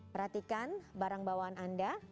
perhatikan barang bawaan anda